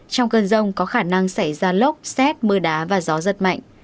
trong cơn rông có khả năng xảy ra lốc xét mưa đá và gió giật mạnh